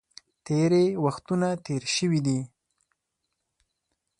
تېرې وختونه تېر شوي دي.